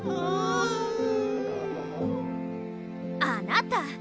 あなた！